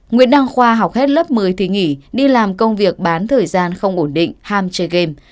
nguyễn đăng khoa học hết lớp một mươi thì nghỉ đi làm công việc bán thời gian không ổn định ham chơi game